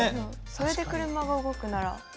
それで車が動くなら。